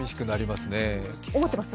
思ってます？